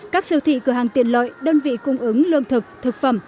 các siêu thị cửa hàng tiện lợi đơn vị cung ứng lương thực thực phẩm